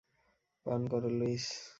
পান কর, লুইস!